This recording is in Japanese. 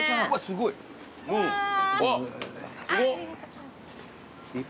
すごっ。